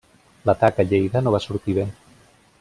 L'atac a Lleida no va sortir bé.